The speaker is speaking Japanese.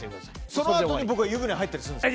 そのあとに僕は湯船に入ったりするんです。